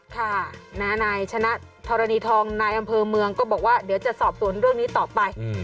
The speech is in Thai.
ค่ะนายชนะธรณีทองนายอำเภอเมืองก็บอกว่าเดี๋ยวจะสอบสวนเรื่องนี้ต่อไป